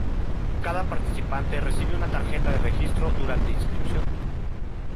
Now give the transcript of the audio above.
Cada participante recibe una tarjeta de registro durante inscripción.